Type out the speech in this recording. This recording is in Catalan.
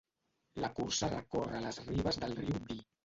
La cursa recorre les ribes del riu Dee.